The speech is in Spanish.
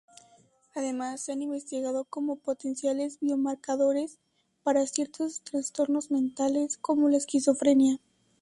Además, se han investigado como potenciales biomarcadores para ciertos trastornos mentales, como la esquizofrenia.